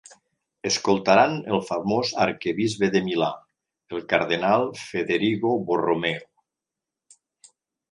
Escoltaran el famós arquebisbe de Milà, el cardenal Federigo Borromeo.